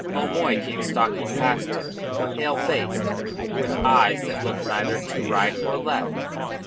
O'Moy came stalking past him, pale faced, with eyes that looked neither to right nor left.